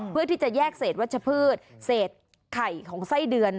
เพื่อที่จะแยกเศษวัชพืชเศษไข่ของไส้เดือน